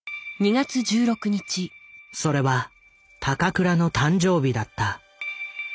それは高倉の誕生日だった。